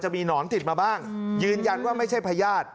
มีหนอนติดมาบ้างยืนยันว่าไม่ใช่พญาติ